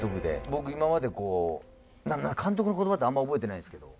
僕今まで監督の言葉ってあんま覚えてないんですけど。